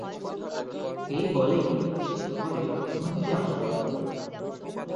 এই বলেই সে আমারে ধরতে আসল।